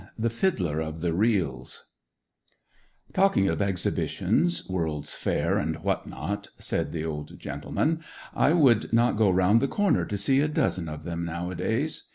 THE FIDDLER OF THE REELS 'Talking of Exhibitions, World's Fairs, and what not,' said the old gentleman, 'I would not go round the corner to see a dozen of them nowadays.